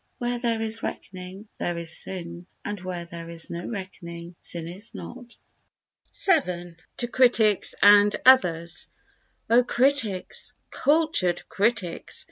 Where there is reckoning there is sin, And where there is no reckoning sin is not. vii—To Critics and Others O Critics, cultured Critics!